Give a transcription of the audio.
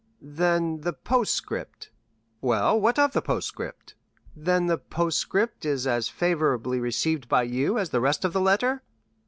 "Then the postscript——" "Well; what of the postscript?" "Then the postscript is as favorably received by you as the rest of the letter?"